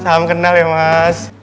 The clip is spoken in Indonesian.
salam kenal ya mas